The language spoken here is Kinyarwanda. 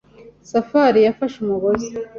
Safari yafashe umugozi.